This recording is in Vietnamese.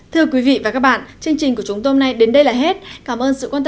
trong những chương trình lần sau